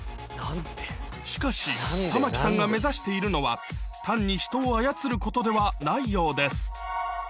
しかし、玉城さんが目指しているのは、単に人を操ることではないようです。